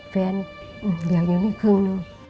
แฟนอยู่นี่ครึ่งนึง